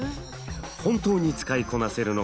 本当に使いこなせるのか